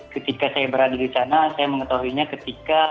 ketika saya berada di sana saya mengetahuinya ketika